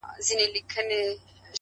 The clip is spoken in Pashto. له غرونو واوښتم خو وږي نس ته ودرېدم